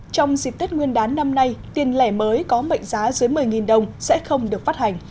trong dịp tết nguyên đán năm nay tiền lẻ mới có mệnh giá dưới một mươi đồng sẽ không được phát hành